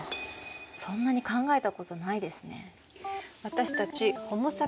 そんなに考えたことないですね。